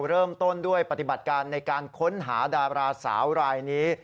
เริ่มต้นด้วยปฏิบัติการในการค้นหาดาราสาวรายนี้